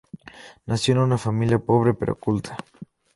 Nació en una familia pobre pero culta.